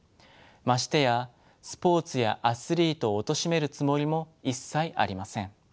ましてやスポーツやアスリートをおとしめるつもりも一切ありません。